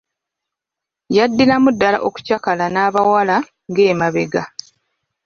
Yaddiramu ddala okucakala n'abawala nga emabega.